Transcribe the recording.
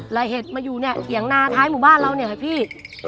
แล้วเห็ดมาอยู่เนี่ยเถียงนาท้ายหมู่บ้านเราเนี่ยค่ะพี่